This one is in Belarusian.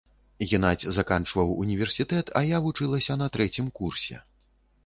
Генадзь заканчваў універсітэт, а я вучылася на трэцім курсе.